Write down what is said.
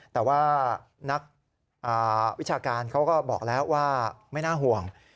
แต่ว่านักวิชาการเขาก็บอกแล้วว่าไม่น่าห่วง